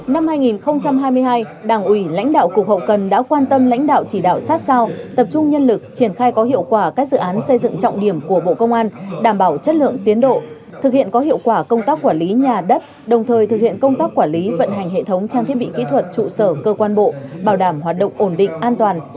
năm hai nghìn hai mươi hai đảng ủy lãnh đạo cục hậu cần đã quan tâm lãnh đạo chỉ đạo sát sao tập trung nhân lực triển khai có hiệu quả các dự án xây dựng trọng điểm của bộ công an đảm bảo chất lượng tiến độ thực hiện có hiệu quả công tác quản lý nhà đất đồng thời thực hiện công tác quản lý vận hành hệ thống trang thiết bị kỹ thuật trụ sở cơ quan bộ bảo đảm hoạt động ổn định an toàn